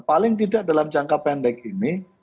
paling tidak dalam jangka pendek ini